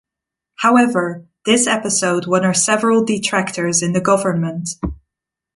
However, this episode won her several detractors in the government.